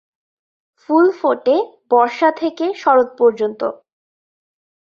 ফুল ফোটে বর্ষা থেকে শরৎ পর্যন্ত।